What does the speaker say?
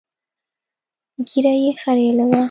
ږيره يې خرييلې وه.